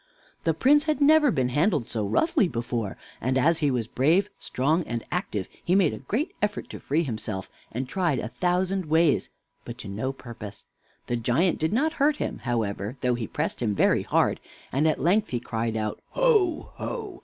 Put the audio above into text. The Prince had never been handled so roughly before, and as he was brave, strong, and active, he made a great effort to free himself, and tried a thousand ways, but to no purpose. The giant did not hurt him, however, though he pressed him very hard, and at length he cried out: "Ho, ho!